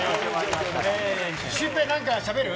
シュウペイなんかしゃべる？